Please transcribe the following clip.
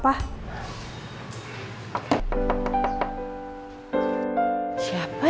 tidak enggak emang gak apa apa